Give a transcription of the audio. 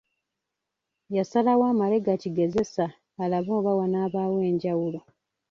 Yasalawo amale gakigezesa alabe oba wanaabaawo enjawulo.